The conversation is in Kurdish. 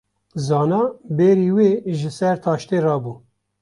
Zana berî wê ji ser taştê rabû.